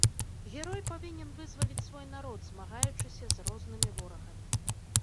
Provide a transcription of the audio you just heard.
Герой павінен вызваліць свой народ, змагаючыся з рознымі ворагамі.